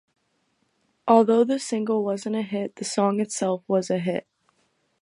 Although the single wasn't a hit, the song itself was a hit.